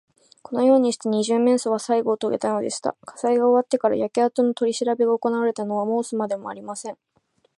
このようにして、二十面相はさいごをとげたのでした。火災が終わってから、焼けあとのとりしらべがおこなわれたのは申すまでもありません。